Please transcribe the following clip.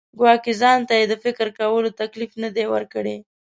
ګواکې ځان ته یې د فکر کولو تکلیف نه دی ورکړی.